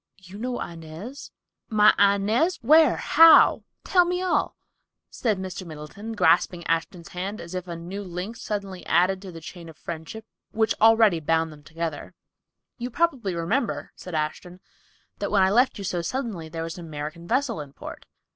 "You know Inez, my Inez—where—how—tell me all," said Mr. Middleton, grasping Ashton's hand as if a new link suddenly added to the chain of friendship which already bound them together. "You probably remember," said Ashton, "that when I left you so suddenly there was an American vessel in port.